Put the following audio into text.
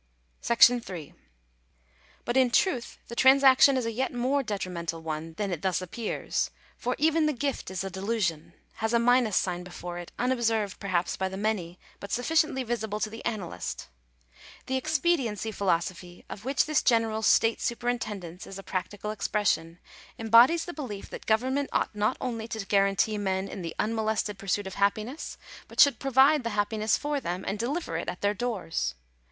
§8. But in truth the transaction is a yet more detrimental one than it thus appears, for even the gift is a delusion — has a minus sign before it, unobserved, perhaps, by the many, but sufficiently visible to the analyst. The expediency philosophy of which this general state superintendence is a practical ex pression, embodies the belief that government ought not only to guarantee men in the unmolested pursuit of happiness, but should provide the happiness for them and deliver it at their doors.